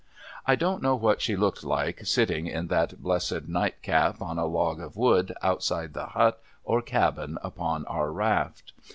I don't know what she looked like, sitting in that blessed night cap, on a log of wood, outside the hut or cabin upon our raft.